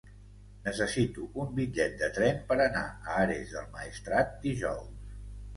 Necessito un bitllet de tren per anar a Ares del Maestrat dijous.